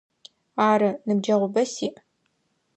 Ары, ныбджэгъубэ сиӏ.